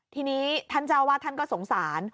ทีนี้ท่านเจ้าวาดท่านก็สงสาร